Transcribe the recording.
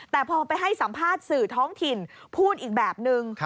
แต่พอไปให้สัมภาษณ์สื่อท้องถิ่นพูดอีกแบบนึง